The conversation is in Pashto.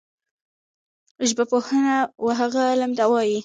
ژبپوهنه وهغه علم ته وايي